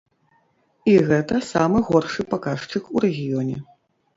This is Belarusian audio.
І гэта самы горшы паказчык у рэгіёне.